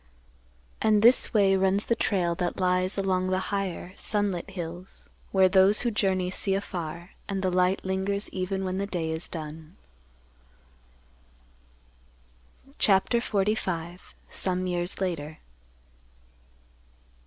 And this way runs the trail that lies along the higher, sunlit hills where those who journey see afar and the light lingers even when the day is done. CHAPTER XLV. SOME YEARS LATER.